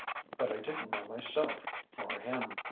But I didn't know myself nor him.